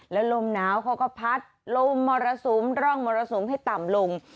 แล้วลมหนาวเขาก็พัดลมมรสุมร่องมรสุมให้ต่ำลง